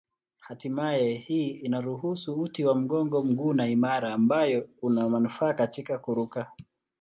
Hatimaye hii inaruhusu uti wa mgongo mgumu na imara ambayo una manufaa katika kuruka.